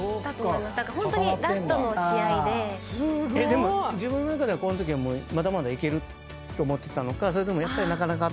でも自分の中ではこんときはまだまだいけると思ってたのかそれともやっぱりなかなか。